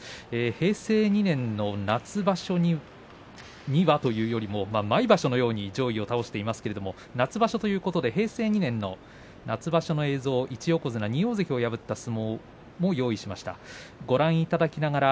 平成２年の夏場所毎場所のように上位を倒していますが数場所ということで平成２年の夏場所の映像を１横綱２大関を破った相撲を用意しました。